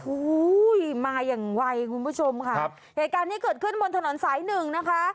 โอ้โหมาอย่างไวคุณผู้ชมค่ะครับเหตุการณ์ที่เกิดขึ้นบนถนนสายหนึ่งนะคะ